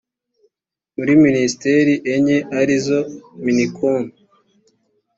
muri minisiteri enye arizo minicom